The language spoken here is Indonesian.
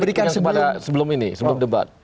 kisi kisi pertanyaan yang sebelum ini sebelum debat